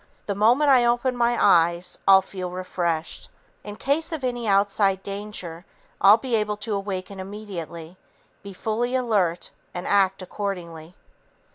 The moment I open my eyes, I'll feel refreshed. In case of any outside danger, I'll be able to awaken immediately, be fully alert and act accordingly."